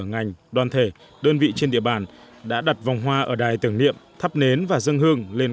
ngành đoàn thể đơn vị trên địa bàn đã đặt vòng hoa ở đài tưởng niệm thắp nến và dân hương lên